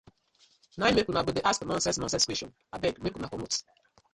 Na im mek we go dey ask nonsense nonsense question, abeg una komot.